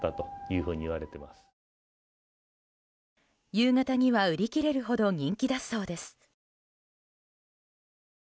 夕方には売り切れるほど人気だそうです。